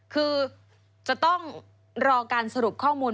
คือจะต้องรอการสรุปข้อมูล